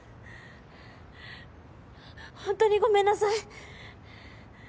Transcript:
ほんとにごめんなさい。